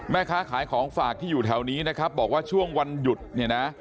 แม่ค้าขายของฝากที่อยู่แถวนี้นะครับบอกว่าช่วงวันหยุดเนี่ยนะ